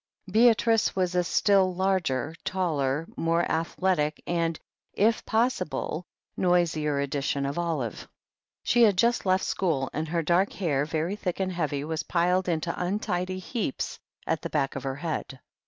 Beatrice was a still larger, taller, more athletic, and, if possible, noisier edition of Olive. She had just left school, and her dark hair, very thick and heavy, was piled into untidy heaps at the back of her head.